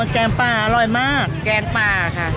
แกงปลาอร่อยมากแกงปลาค่ะ